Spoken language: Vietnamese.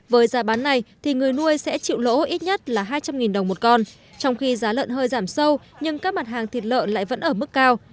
với giá bán này thì người nuôi sẽ chịu lỗ ít nhất là hai trăm linh đồng một con trong khi giá lợn hơi giảm sâu nhưng các mặt hàng thịt lợn lại vẫn ở mức cao